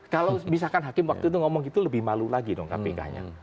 kalau misalkan hakim waktu itu ngomong gitu lebih malu lagi dong kpk nya